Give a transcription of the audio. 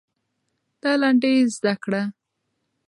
دا لنډۍ زده کړه.